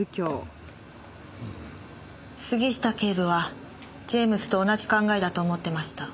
杉下警部はジェームズと同じ考えだと思ってました。